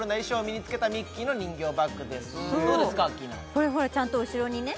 これほらちゃんと後ろにね